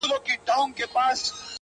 ورکه لالیه چي ته تللی يې خندا تللې ده”